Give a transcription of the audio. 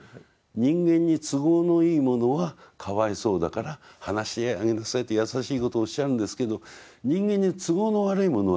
人間に都合のいいものはかわいそうだから放してあげなさいって優しいことをおっしゃるんですけど人間に都合の悪いものはね